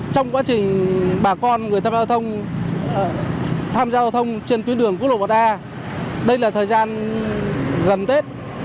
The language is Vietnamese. trong quá trình bà con người tham gia giao thông trên tuyến đường cuối lộ một a đây là thời gian gần tết